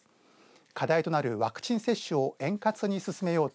課題となるワクチン接種を円滑に進めようと